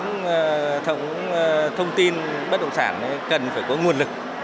hệ thống thông tin bất động sản cần phải có nguồn lực